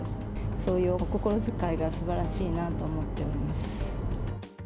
そういうお心遣いがすばらしいなと思っております。